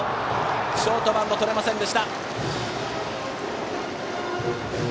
ショートバウンドとれませんでした。